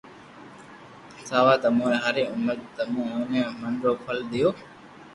سآوا تموري ھاري عمر تمو اوني من رو فل ديو